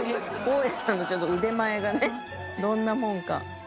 大家ちゃんのちょっと腕前がねどんなもんか。